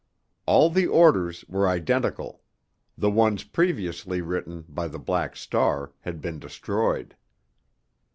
All the orders were identical; the ones previously written by the Black Star had been destroyed.